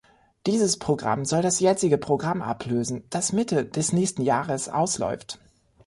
Dieses Programm soll das jetzige Programm ablösen, das Mitte des nächsten Jahres ausläuft.